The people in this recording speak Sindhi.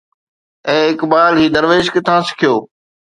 اي اقبال هي درويش ڪٿان سکيو؟